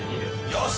「よし！」